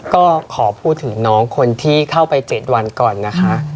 ก็ขอพูดถึงน้องคนที่เข้าไป๗วันก่อนนะคะ